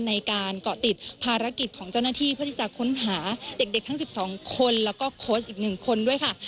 ในการเกาะติดภารกิจของเจ้าหน้าที่เพื่อที่จะค้นหาเด็กทั้ง๑๒คนแล้วก็โค้ชอีก๑คนด้วยค่ะ